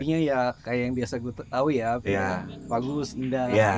kayaknya ya kayak yang biasa gue tau ya bagus indah ya